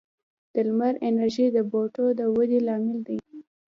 د لمر انرژي د بوټو د ودې لامل ده.